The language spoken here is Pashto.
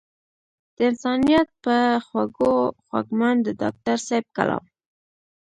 د انسانيت پۀ خوږو خوږمند د ډاکټر صېب کلام